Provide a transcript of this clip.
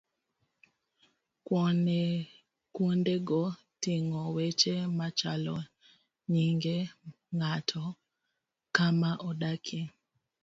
Kuondego ting'o weche machalo nyinge ng'ato, kama odakie.